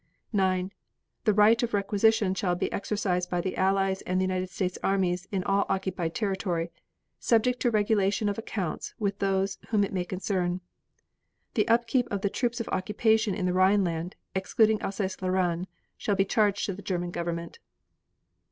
9. The right of requisition shall be exercised by the Allies and the United States armies in all occupied territory, "subject to regulation of accounts with those whom it may concern." The upkeep of the troops of occupation in the Rhine land (excluding Alsace Lorraine) shall be charged to the German Government.